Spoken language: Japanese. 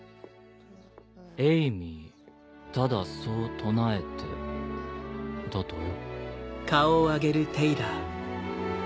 『エイミー』ただそう唱えて」だとよ。